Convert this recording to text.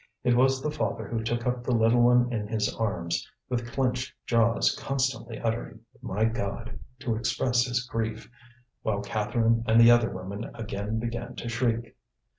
It was the father who took up the little one in his arms, with clenched jaws constantly uttering "My God!" to express his grief, while Catherine and the other women again began to shriek.